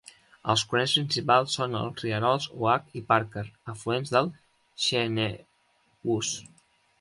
Els corrents principals són els rierols Oak i Parker, afluents del Schenevus.